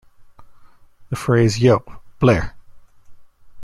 The phrase Yo, Blair.